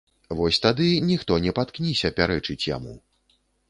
Вось тады ніхто не паткніся пярэчыць яму.